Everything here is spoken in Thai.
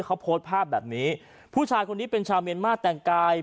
เขาโพสต์ภาพแบบนี้ผู้ชายคนนี้เป็นชาวเมียนมาร์แต่งกาย